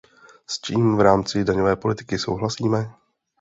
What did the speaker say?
S čím v rámci daňové politiky souhlasíme?